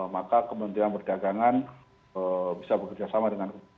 maka kementerian perdagangan bisa bekerjasama dengan kementerian